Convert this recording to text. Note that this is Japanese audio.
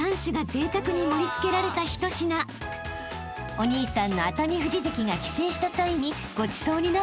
［お兄さんの熱海富士関が帰省した際にごちそうになっているのだとか］